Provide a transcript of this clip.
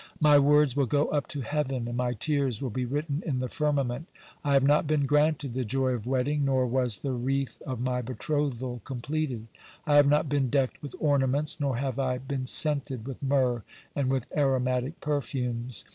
My words will go up to heaven, and my tears will be written in the firmament. I have not been granted the joy of wedding, nor was the wreath of my betrothal completed. I have not been decked with ornaments, nor have I been scented with myrrh and with aromatic perfumes.